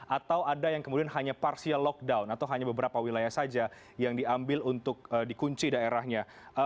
atau ada yang kemudian hanya partial lockdown atau hanya beberapa wilayah saja yang diambil untuk dikunci daerahnya